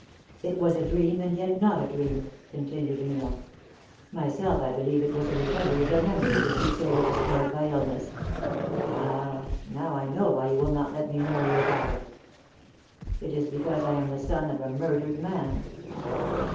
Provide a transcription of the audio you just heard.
"It was a dream, and yet not a dream," continued Neil. "Myself I believe it was a recovery of the memories which you say were destroyed by illness. Ah! Now I know why you will not let me marry your daughter. It is because I am the son of a murdered man!"